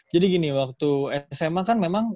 jadi gini waktu sma kan memang